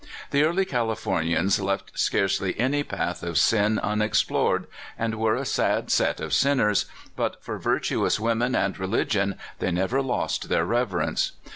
The early Californians left scarcely any path of gin unexplored, and were a sad set of sinners, but for virtuous women and religion they never lost their reverence.